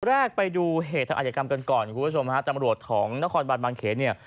เปิดแรกไปดูเหตุอภัยกรรมกันก่อนคุณผู้ชมฮะจังหวัดของนครบัญบางเขย์เนี่ย